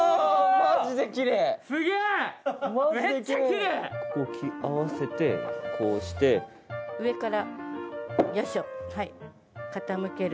マジできれいここ木合わせてこうして上からよいしょはい傾ける